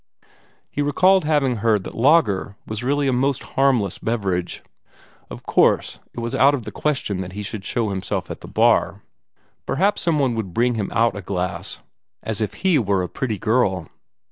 He recalled having heard that lager was really a most harmless beverage. Of course it was out of the question that he should show himself at the bar. Perhaps some one would bring him out a glass, as if he were a pretty girl.